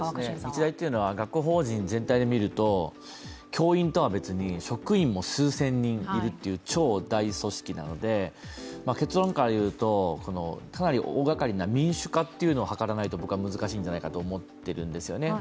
日大というのは学校法人全体でみると、教員とは別に職員も数千人いるっていう超大組織なので結論から言うと、かなり大がかりな民主化というのを図らないと僕は難しいんじゃないかと思っているんですね。